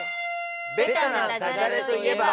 ベタなダジャレといえば？